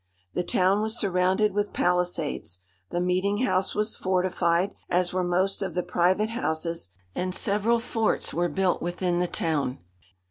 The town was surrounded with palisades, "the meeting house" was fortified, as were most of the private houses, and several forts were built within the town.